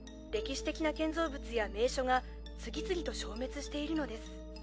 歴史的な建造物や名所が次々と消滅しているのです。